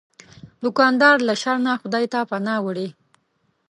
دوکاندار له شر نه خدای ته پناه وړي.